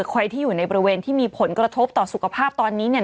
ใครที่อยู่ในบริเวณที่มีผลกระทบต่อสุขภาพตอนนี้เนี่ย